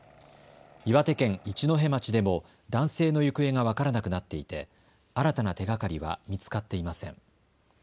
岩手県一戸町でも男性の行方が分からなくなっていて新たな手がかりは見つかっていません。